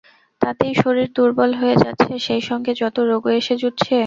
তাতেই শরীর দুর্বল হয়ে যাচ্ছে, সেই সঙ্গে যত রোগও এসে জুটছে।